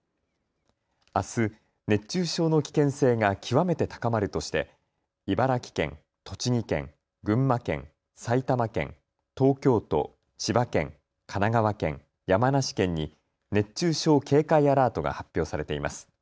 あす熱中症の危険性が極めて高まるとして茨城県、栃木県、群馬県、埼玉県、東京都、千葉県、神奈川県、山梨県に熱中症警戒アラートが発表されています。